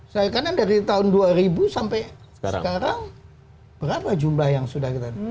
saya kira dari tahun dua ribu sampai sekarang berapa jumlah yang sudah kita